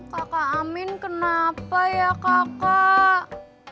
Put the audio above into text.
kakak amin kenapa ya kakak